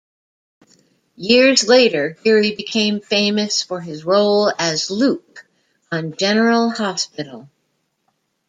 Years later, Geary became famous for his role as Luke on General Hospital.